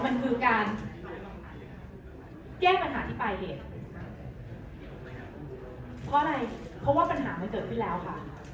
มันคือการแก้ปัญหาที่ปลายเหตุเพราะอะไรเพราะว่าปัญหามันเกิดขึ้นแล้วค่ะ